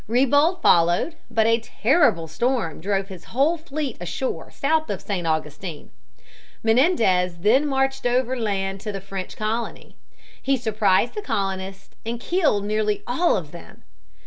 Ribault followed, but a terrible storm drove his whole fleet ashore south of St. Augustine. Menendez then marched over land to the French colony. He surprised the colonists and killed nearly all of them.